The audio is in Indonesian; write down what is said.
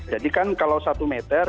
jadi kan kalau satu meter